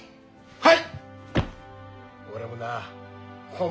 はい。